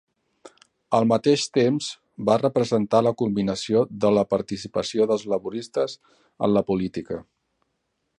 Al mateix temps, va representar la culminació de la participació dels laboristes en la política.